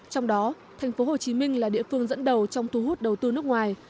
trong đó thành phố hồ chí minh là địa phương dẫn đầu trong thu hút đầu tư nước ngoài